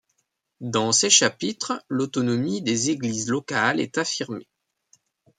Dans ces chapitres, l'autonomie des Églises locales est affirmée.